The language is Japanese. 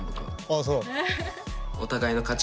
ああそう。